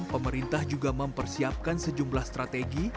pemerintah juga mempersiapkan sejumlah strategi